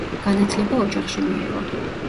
განათლება ოჯახში მიიღო.